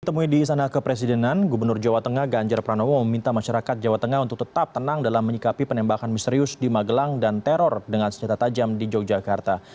ditemui di istana kepresidenan gubernur jawa tengah ganjar pranowo meminta masyarakat jawa tengah untuk tetap tenang dalam menyikapi penembakan misterius di magelang dan teror dengan senjata tajam di yogyakarta